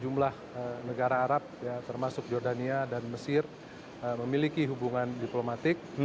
jumlah negara arab termasuk jordania dan mesir memiliki hubungan diplomatik